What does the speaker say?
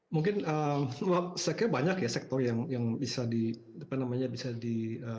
mungkin saya kira banyak ya sektor yang bisa di apa namanya bisa di